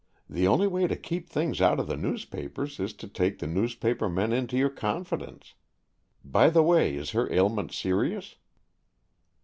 "The only way to keep things out of the newspapers is to take the newspaper men into your confidence. By the way, is her ailment serious?"